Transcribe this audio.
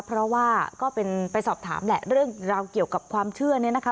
เพราะว่าก็เป็นไปสอบถามแหละเรื่องราวเกี่ยวกับความเชื่อเนี่ยนะคะ